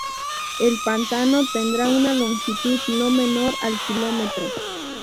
El pantano tendrá una longitud no menor al kilómetro.